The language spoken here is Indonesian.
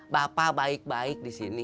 bapak baik baik di sini